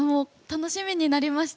楽しみになりました。